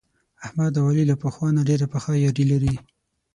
احمد او علي له پخوا نه ډېره پخه یاري لري.